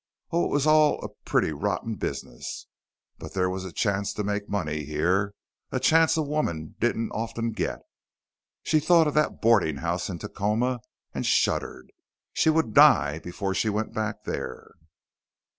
Oh, it was all a pretty rotten business, but there was a chance to make money here, a chance a woman didn't often get. She thought of that boarding house in Tacoma and shuddered. She would die before she went back there.